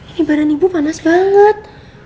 ini barang ibu panas banget